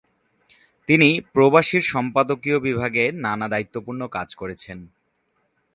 তিনি "প্রবাসী" র সম্পাদকীয় বিভাগে নানা দায়িত্বপূর্ণ কাজ করেছেন।